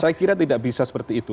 saya kira tidak bisa seperti itu